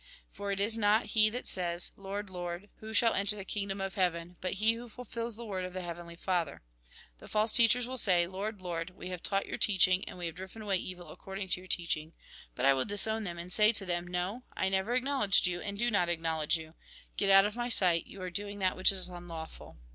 For it is not he that says : Lord, Lord ! who shall enter the kingdom of heaven, but he who fulfils the word of the Heavenly Father. The false teachers will say :" Lord, Lord ! we have taught your teach ing, and we have driven away evil according to your teaching." But I will disown them, and say to them : No, I never acknowledged you, and do not acknowledge you. Go out of my sight, you are doing that which is unlawful.